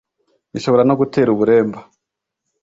bishobora no gutera uburemba